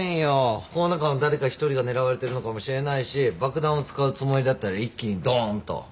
この中の誰か一人が狙われてるのかもしれないし爆弾を使うつもりだったら一気にどんと。